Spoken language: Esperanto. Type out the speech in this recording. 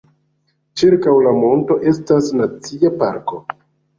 Ĉirkaŭ la monto estas nacia parko.